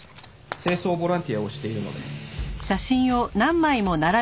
清掃ボランティアをしているので。